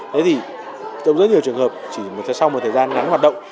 thế thì trong rất nhiều trường hợp chỉ sau một thời gian ngắn hoạt động